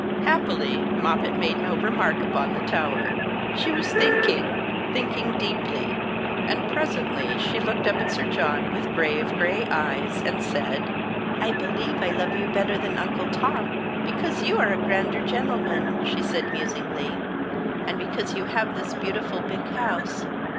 Happily, Moppet made no remark upon the tower. She was thinking thinking deeply; and presently she looked up at Sir John with grave gray eyes and said: "I believe I love you better than Uncle Tom, because you are a grander gentleman," she said musingly, "and because you have this beautiful big house.